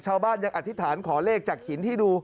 ชาวบ้านยังอธิษฐานขอเลขจากหินที่ดู